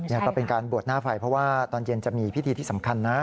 นี่ก็เป็นการบวชหน้าไฟเพราะว่าตอนเย็นจะมีพิธีที่สำคัญนะ